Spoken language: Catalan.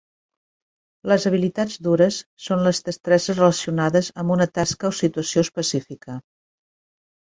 Les "habilitats dures" són les destreses relacionades amb una tasca o situació específica.